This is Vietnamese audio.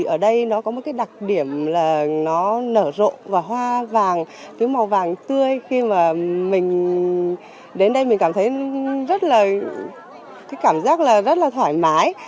ở đây nó có một cái đặc điểm là nó nở rộ và hoa vàng thứ màu vàng tươi khi mà mình đến đây mình cảm thấy rất là cái cảm giác là rất là thoải mái